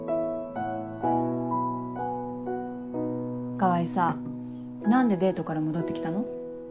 川合さ何でデートから戻って来たの？